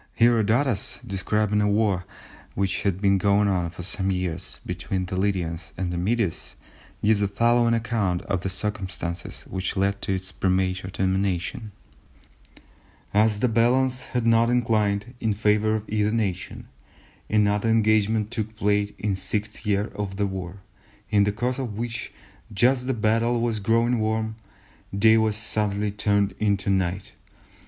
Herodotus describing a war which had been going on for some years between the Lydians and the Medes gives the following account of the circumstances which led to its premature termination:—"As the balance had not inclined in favour of either nation, another engagement took place in the sixth year of the war, in the course of which, just as the battle was growing warm, day was suddenly turned into night.